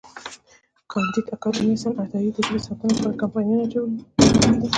کانديد اکاډميسن عطایي د ژبې ساتنې لپاره کمپاینونه چلولي دي.